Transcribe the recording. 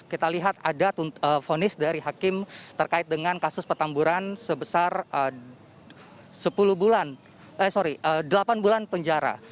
kita lihat ada fonis dari hakim terkait dengan kasus petamburan sebesar delapan bulan penjara